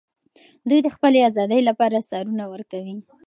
دوی د خپلې ازادۍ لپاره سرونه ورکوي.